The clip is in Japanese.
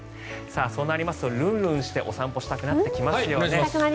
そうなりますとルンルンしてお散歩したくなってきますよね。